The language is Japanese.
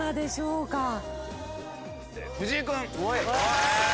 藤井君。